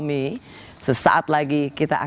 masa depan atau masa depan